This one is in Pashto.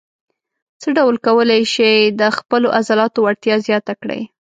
څه ډول کولای شئ د خپلو عضلاتو وړتیا زیاته کړئ.